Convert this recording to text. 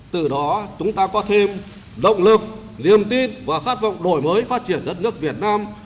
từ đó chúng ta có thêm động lực niềm tin và khát vọng đổi mới phát triển đất nước việt nam